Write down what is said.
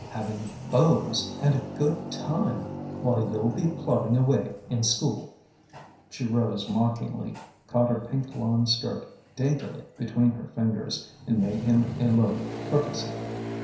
having beaus! and a good time ! while you 'll be plodding away in school !" She rose mockingly, caught her pink lawn skirt daintily between her fingers, and made him a low courtesy.